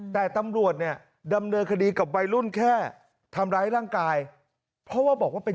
แต่ตำรวจเนี่ยดำเนินคดีกับวัยรุ่นแค่ทำร้ายร่างกายเพราะว่าบอกว่าเป็น